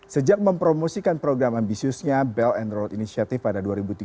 sejak mempromosikan program ambisiusnya belt and road initiative pada dua ribu tiga belas